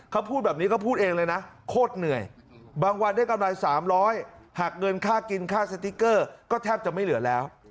เขาพูดแบบนี้ก็พูดเองเลยนะโคตรเหนื่อยบางวันได้กำไร๓๐๐หักเงินค่ากินค่าสติ๊กเกอร์ก็แทบจะไม่เหลือแล้ว